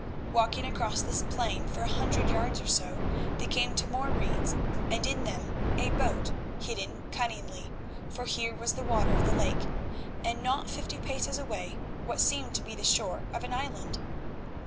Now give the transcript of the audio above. Walking across this plain for a hundred yards or so, they came to more reeds, and in them a boat hidden cunningly, for here was the water of the lake, and, not fifty paces away, what seemed to be the shore of an island.